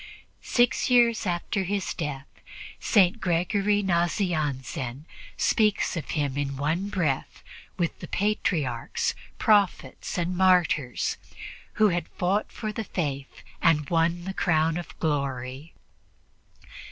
Six years after his death, St. Gregory Nazianzen speaks of him in one breath with the patriarchs, prophets and martyrs who had fought for the Faith and won the crown of glory.